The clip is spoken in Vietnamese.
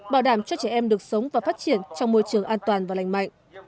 bảo đảm cho trẻ em được sống và phát triển trong môi trường an toàn và lành mạnh